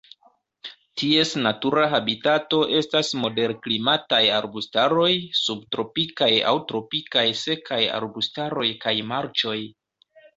Ties natura habitato estas moderklimataj arbustaroj, subtropikaj aŭ tropikaj sekaj arbustaroj kaj marĉoj.